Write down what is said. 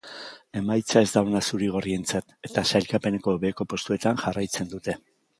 Emaitza ez da ona zurigorrientzat, eta sailkapeneko beheko postuetan jarraitzen dute.